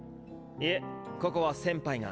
いえここは先輩が。